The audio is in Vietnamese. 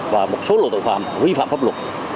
và một số loại tội phạm vi phạm pháp luật